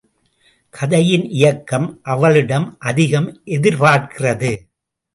கதையின் இயக்கம் அவளிடம் அதிகம் எதிர்பார்க்கிறது.